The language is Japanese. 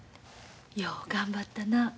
よう頑張ったな。